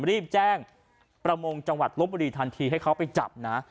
รีบแจ้งประมงจังหวัดลบบุรีทันทีให้เขาไปจับนะ